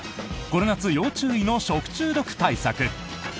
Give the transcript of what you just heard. この夏、要注意の食中毒対策！